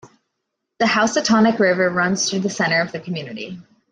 The Housatonic River runs through the center of the community.